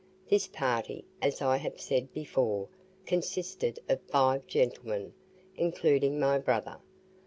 This party, as I have said before, consisted of five gentlemen, including my brother.